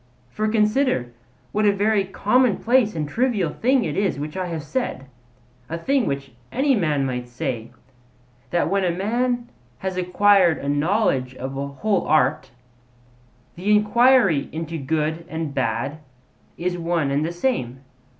For consider what a very commonplace and trivial thing is this which I have said a thing which any man might say: that when a man has acquired a knowledge of a whole art, the enquiry into good and bad is one and the same.